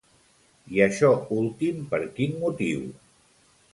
I això últim, per quin motiu?